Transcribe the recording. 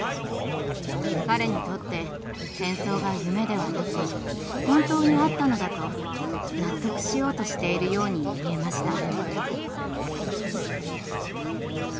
彼にとって戦争が夢ではなく本当にあったのだと納得しようとしているように見えました。